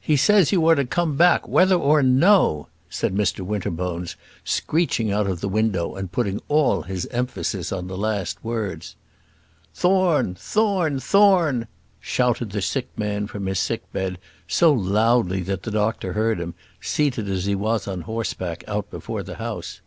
"He says you are to come back, whether or no," said Mr Winterbones, screeching out of the window, and putting all his emphasis on the last words. "Thorne! Thorne! Thorne!" shouted the sick man from his sick bed, so loudly that the doctor heard him, seated as he was on horseback out before the house.